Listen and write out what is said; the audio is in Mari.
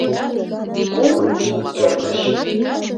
Кум ий эртыш.